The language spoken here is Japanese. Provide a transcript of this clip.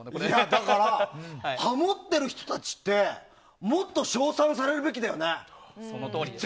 だから、ハモってる人たちってもっと称賛されるべきだよね。